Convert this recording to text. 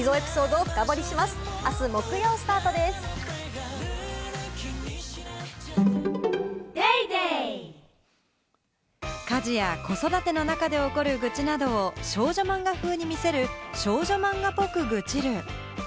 カロカロカロカロカロリミット家事や子育ての中で起こる愚痴などを少女漫画風に見せる『少女漫画ぽく愚痴る。』。